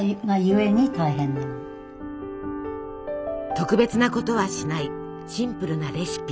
特別なことはしないシンプルなレシピ。